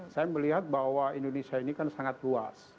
saya melihat bahwa indonesia ini kan sangat luas